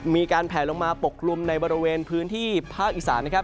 มีการแผลลงมาปกกลุ่มในบริเวณพื้นที่ภาคอีสานนะครับ